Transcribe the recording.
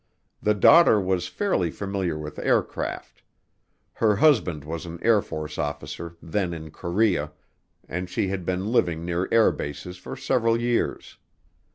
The daughter was fairly familiar with aircraft. Her husband was an Air Force officer then in Korea, and she had been living near air bases for several years.